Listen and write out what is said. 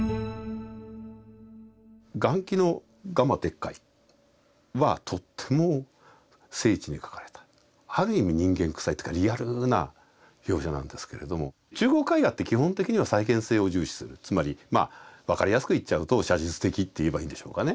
顔輝の「蝦蟇鉄拐」はとっても精緻に描かれたある意味人間くさいというかリアルな描写なんですけれども中国絵画って基本的には再現性を重視するつまり分かりやすく言っちゃうと写実的って言えばいいんでしょうかね。